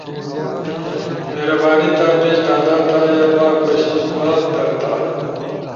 مہربانی تھا پیج تازہ تھا یا با کوشش بعد در تھا